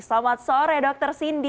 selamat sore dr sindi